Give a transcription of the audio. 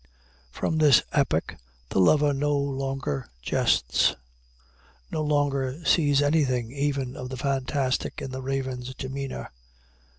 From this epoch the lover no longer jests no longer sees anything even of the fantastic in the Raven's demeanor.